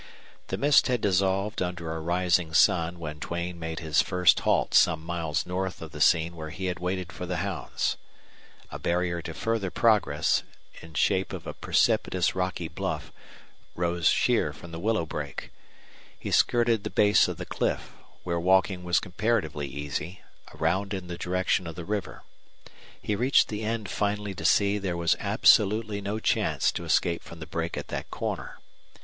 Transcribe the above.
The mist had dissolved under a rising sun when Duane made his first halt some miles north of the scene where he had waited for the hounds. A barrier to further progress, in shape of a precipitous rocky bluff, rose sheer from the willow brake. He skirted the base of the cliff, where walking was comparatively easy, around in the direction of the river. He reached the end finally to see there was absolutely no chance to escape from the brake at that corner.